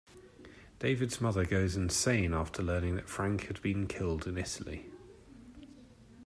David's mother goes insane after learning that Frank had been killed in Italy.